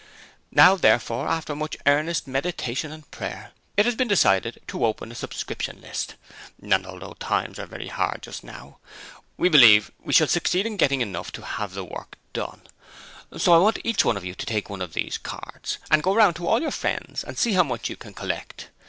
'Now, therefore, after much earnest meditation and prayer, it has been decided to open a Subscription List, and although times are very hard just now, we believe we shall succeed in getting enough to have the work done; so I want each one of you to take one of these cards and go round to all your friends to see how much you can collect.